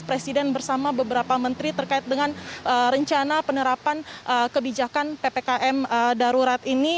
presiden bersama beberapa menteri terkait dengan rencana penerapan kebijakan ppkm darurat ini